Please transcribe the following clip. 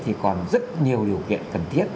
thì còn rất nhiều điều kiện cần thiết